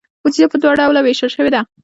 بودیجه په دوه ډوله ویشل شوې ده.